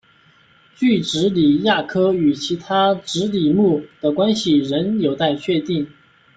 锯脂鲤亚科与其他脂鲤目的关系仍有待确定。